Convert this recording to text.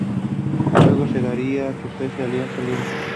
Luego se daría su pase a Alianza Lima.